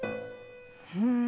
うん。